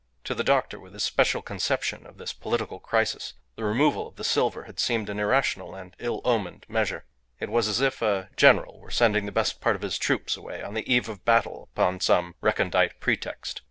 To the doctor, with his special conception of this political crisis, the removal of the silver had seemed an irrational and ill omened measure. It was as if a general were sending the best part of his troops away on the eve of battle upon some recondite pretext.